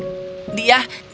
dia yang menghadiahkan seekor geng